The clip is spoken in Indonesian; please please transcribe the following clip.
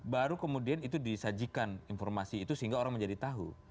baru kemudian itu disajikan informasi itu sehingga orang menjadi tahu